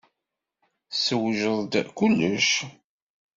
Tessewjed-d kullec.